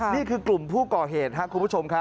นี่คือกลุ่มผู้ก่อเหตุครับคุณผู้ชมครับ